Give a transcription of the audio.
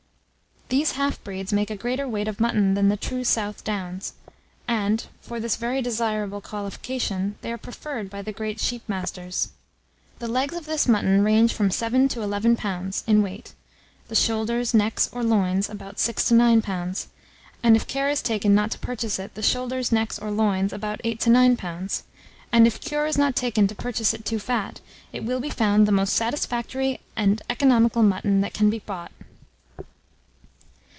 These half breeds make a greater weight of mutton than the true South Downs, and, for this very desirable qualification, they are preferred by the great sheep masters. The legs of this mutton range from 7 to 11 lbs. in weight; the shoulders, necks, or loins, about 6 to 9 lbs.; and if care is taken not to purchase it; the shoulders, necks, or loins, about 8 to 9 lbs.; and it cure is taken not to purchase it too fat, it will be found the most satisfactory and economical mutton that can be bought.